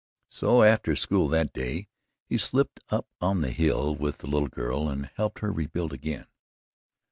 So after school that day he slipped up on the hill with the little girl and helped her rebuild again.